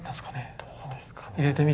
どうですかね？